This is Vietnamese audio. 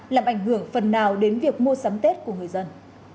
làm ảnh hưởng phần nào đến việc mua sắm tết của người dân